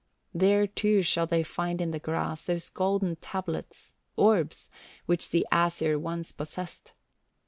There too shall they find in the grass those golden tablets (orbs) which the Æsir once possessed.